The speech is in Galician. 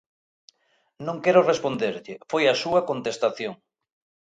"Non quero responderlle", foi a súa contestación.